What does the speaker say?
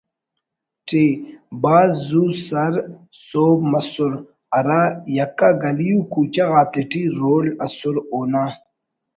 ٹ بھاز زو سر سہب مسر ہرا یکا گلی و کوچہ غاتیٹی رول ئسر اونا